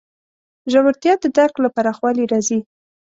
ژورتیا د درک له پراخوالي راځي.